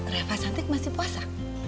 reva santik masih puasa